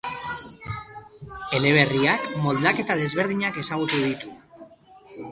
Eleberriak moldaketa desberdinak ezagutu ditu.